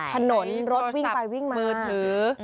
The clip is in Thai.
ถนนรถวิ่งไปวิ่งมาโทรศัพท์มือถือ